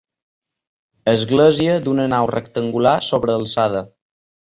Església d'una nau rectangular sobrealçada.